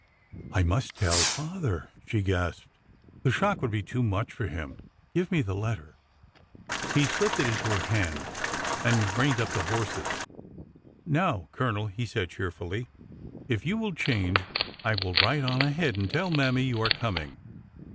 '" I must tell father," she gasped. The shock would be too much for him. Give me the letter." He slipped it into her hand and reined up his horses. " Now, Colonel," he said cheerfully, '' if you will change, I will ride on ahead and tell Mammy you are coming."